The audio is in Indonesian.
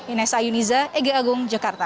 ines ayuniza eg agung jakarta